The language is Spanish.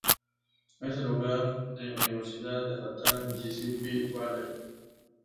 Es el hogar de Universidad Estatal Mississippi Valley.